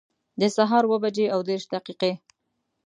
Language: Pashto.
د سهار اووه بجي او دیرش دقیقي